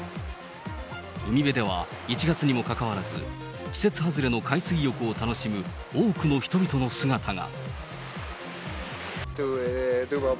海辺では、１月にもかかわらず、季節外れの海水浴を楽しむ多くの人々の姿が。